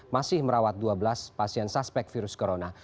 masih merawat dua belas pasien suspek virus corona